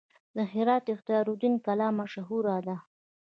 د هرات اختیار الدین کلا مشهوره ده